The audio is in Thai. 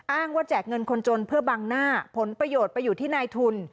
อ้างว่าแจกเงินคนจนเพื่อบังหน้าผลประโยชน์ไปอยู่ที่นายทุน